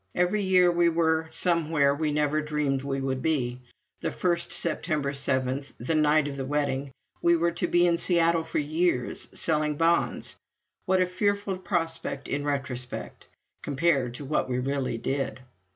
Every year we were somewhere we never dreamed we would be. That first September seventh, the night of the wedding, we were to be in Seattle for years selling bonds. What a fearful prospect in retrospect, compared to what we really did!